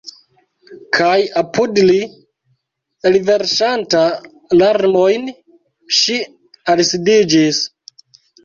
Kaj apud li, elverŝanta larmojn, ŝi alsidiĝis.